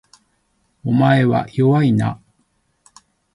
お前は弱いな